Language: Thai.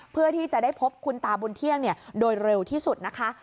เพื่อที่จะได้พบคุณตาบุญเที่ยงโดยเร็วที่สุดนะคะ